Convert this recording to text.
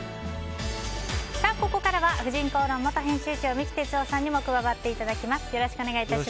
ここからは「婦人公論」元編集長三木哲男さんにも加わっていただきます。